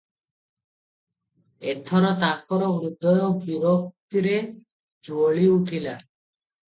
ଏଥର ତାଙ୍କର ହୃଦୟ ବିରକ୍ତିରେ ଜ୍ୱଳି ଉଠିଲା ।